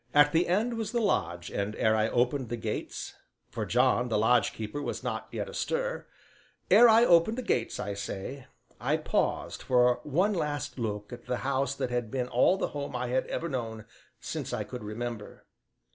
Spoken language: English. At the end was the lodge and, ere I opened the gates for John, the lodgekeeper, was not yet astir ere I opened the gates, I say, I paused for one last look at the house that had been all the home I had ever known since I could remember.